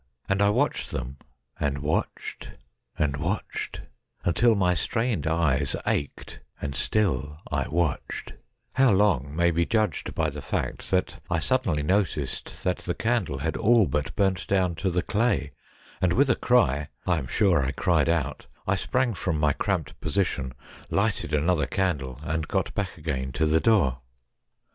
And I watched them, and watched, and watched, until my strained eyes ached, and still I watched ; how long may be judged by the fact that I suddenly noticed that the candle had all but burnt down to the clay, and with a cry— I am sure I cried out — I sprang from my cramped position, lighted another candle , and got back again to the door.